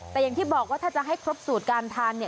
แต่อย่างที่บอกว่าถ้าจะให้ครบสูตรการทานเนี่ย